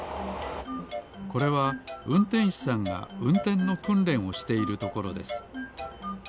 これはうんてんしさんがうんてんのくんれんをしているところです。